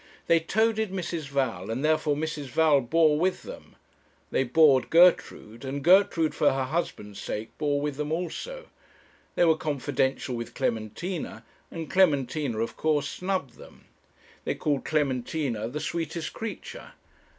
they toadied Mrs. Val, and therefore Mrs. Val bore with them; they bored Gertrude, and Gertrude, for her husband's sake, bore with them also; they were confidential with Clementina, and Clementina, of course, snubbed them. They called Clementina 'the sweetest creature.'